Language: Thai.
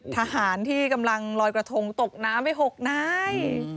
ทหารที่กำลังลอยกระทงตกน้ำไป๖นาย